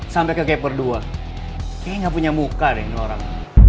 sampai ke gap berdua kayaknya gak punya muka deh ini orang